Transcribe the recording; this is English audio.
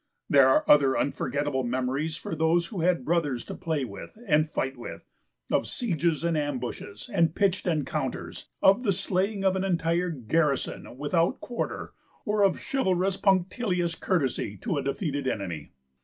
There are other unforgettable memories for those who had brothers to play with and fight with, of sieges and ambushes and pitched encounters, of the slaying of an entire garrison without p. xixquarter, or of chivalrous, punctilious courtesy to a defeated enemy.